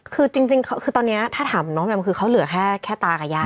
คือจริงคือตอนนี้ถ้าถามน้องแมมคือเขาเหลือแค่ตากับยาย